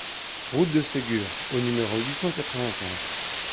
Route de Ségur au numéro huit cent quatre-vingt-quinze